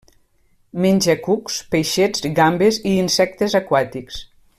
Menja cucs, peixets, gambes i insectes aquàtics.